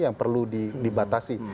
yang perlu dibatasi